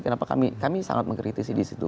kenapa kami sangat mengkritisi disitu